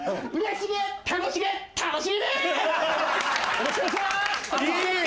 よろしくお願いします！